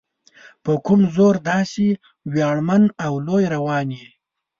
په کوم زور داسې ویاړمن او لوی روان یې؟